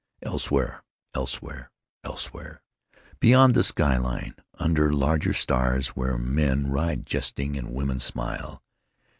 Elsewhere, elsewhere, elsewhere, beyond the sky line, under larger stars, where men ride jesting and women smile.